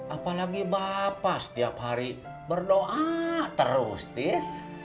apalagi bapak setiap hari berdoa terus tis